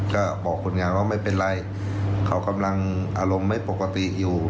ก็บอกคนงานว่าไม่เป็นไรเขากำลังอารมณ์ไม่ปกติอยู่